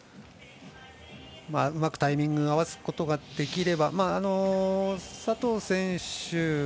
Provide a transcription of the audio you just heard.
うまくタイミングを合わすことができれば佐藤選手